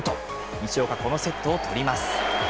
西岡、このセットを取ります。